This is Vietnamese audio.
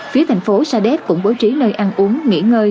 phía thành phố sa đéc cũng bố trí nơi ăn uống nghỉ ngơi